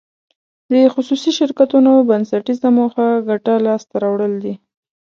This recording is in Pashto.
د خصوصي شرکتونو بنسټیزه موخه ګټه لاس ته راوړل دي.